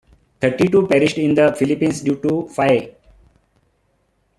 Thirty-two perished in the Philippines due to Faye.